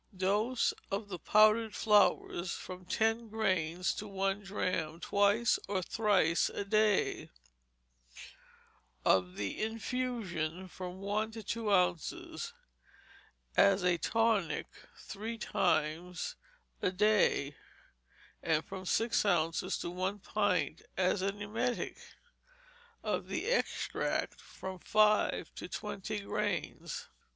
Dose, of the powdered flowers, from ten grains to one drachm, twice or thrice a day; of the infusion, from one to two ounces, as a tonic, three times a day: and from six ounces to one pint as an emetic; of the extract, from five to twenty grains.